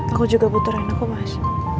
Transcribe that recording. aku juga butuh anakku mas